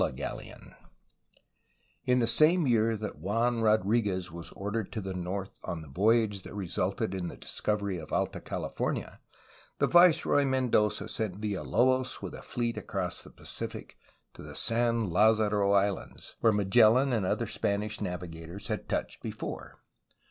CHAPTER VIII THE MANILA GALLEON In the same year that Juan Rodriguez was ordered to the north on the voyage that resulted in the discovery of Alta CaUfornia, the viceroy Mendoza sent Villalobos with a fleet across the Pacific to the *'San Ldzaro Islands/^ where Magellan and other Spanish navigators had touched be fore.